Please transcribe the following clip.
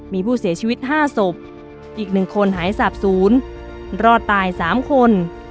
มีผู้เสียชีวิตห้าศพอีกหนึ่งคนหายสาปศูนย์รอดตายสามคน